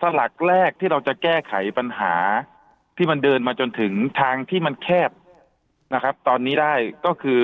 สลักแรกที่เราจะแก้ไขปัญหาที่มันเดินมาจนถึงทางที่มันแคบนะครับตอนนี้ได้ก็คือ